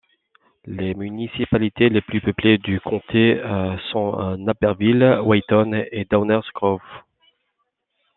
Les municipalités les plus peuplées du comté sont Naperville, Wheaton et Downers Grove.